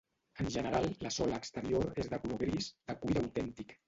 En general, la sola exterior és de color gris, de cuir autèntic.